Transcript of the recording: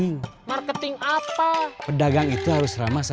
nanti malam saya main ke rumah ya